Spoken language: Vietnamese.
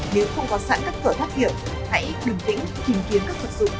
nếu không có sẵn các cửa phát hiện hãy đừng tĩnh tìm kiếm các vật dụng